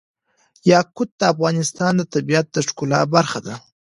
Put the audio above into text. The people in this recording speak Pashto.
یاقوت د افغانستان د طبیعت د ښکلا برخه ده.